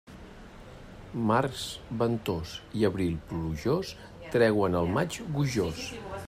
Març ventós i abril plujós treuen el maig gojós.